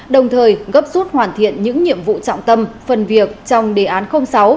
đồng thời gấp rút hoàn thiện những nhiệm vụ trọng tâm phần việc trong đề án sáu